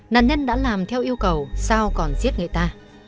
nạn nhân đã làm theo yêu cầu sao còn giết người ta